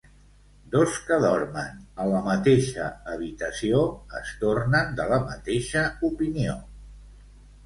Dos que dormen a la mateixa habitació es tornen de la mateixa opinió.